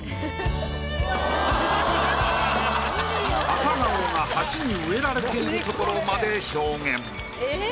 朝顔が鉢に植えられているところまで表現。